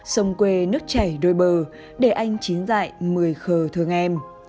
sông quê nước chảy đôi bờ để anh chín dại mười khờ thương em